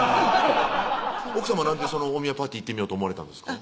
奥さまなんでお見合いパーティー行ってみようと思われたんですか